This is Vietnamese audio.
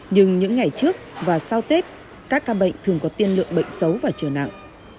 nhưng những ngày trước và sau tết các ca bệnh thường có tiên lượng bệnh xấu và trở nặng